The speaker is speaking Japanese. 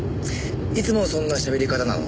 いつもそんなしゃべり方なの？